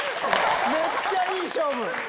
めっちゃいい勝負！